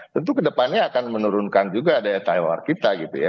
tentu kedepannya akan menurunkan juga daya tawar kita gitu ya